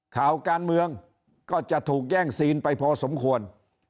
ข่าวการเมืองก็จะถูกแย่งซีนไปพอสมควร